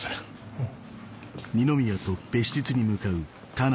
うん。